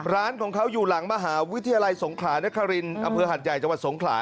ร้านของเขาอยู่หลังมหาวิทยาลัยทนอะคารินอเภอหัยจสงขลา